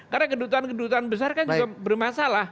karena kedutaan kedutaan besar kan juga bermasalah